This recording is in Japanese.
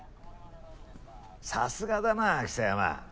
さすがだな象山。